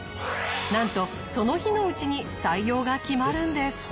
なんとその日のうちに採用が決まるんです。